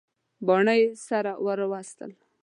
باڼه یې سره ور وستل.